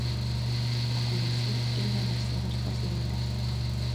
La curació era la seva especialitat.